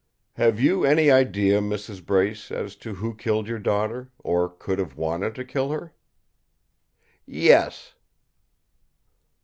"Have you any idea, Mrs. Brace, as to who killed your daughter or could have wanted to kill her?" "Yes."